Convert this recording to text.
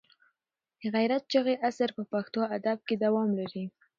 د غیرت چغې اثر په پښتو ادب کې دوام لري.